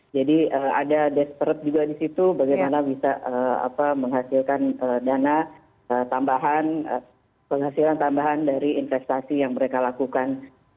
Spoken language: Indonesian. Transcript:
jadi ada despert juga di situ bagaimana bisa menghasilkan dana tambahan penghasilan tambahan dari investasi yang mereka lakukan